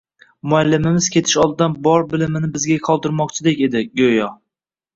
Muallimimiz ketish oldidan bor bilimini bizga qoldirmoqchidek edi, go`yo